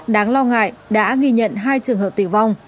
đáng lo ngại đã ghi nhận hai trường hợp tử vong